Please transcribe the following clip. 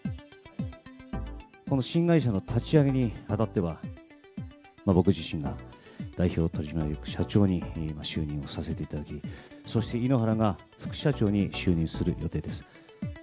この新会社の立ち上げに当たっては、僕自身が代表取締役社長に就任をさせていただき、そして井ノ原が副社長に就任する予定です。